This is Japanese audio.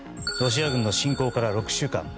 ロシア軍の侵攻から６週間。